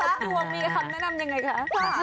แต่ส่วนตัวมีคำแนะนำยังไงคะ